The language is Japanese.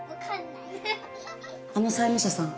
あの債務者さん